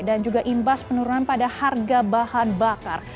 dan juga imbas penurunan pada harga bahan bakar